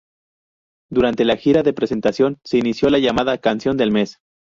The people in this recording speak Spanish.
Durante la gira de presentación se inició la llamada "Canción del Mes".